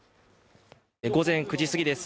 午前９時過ぎです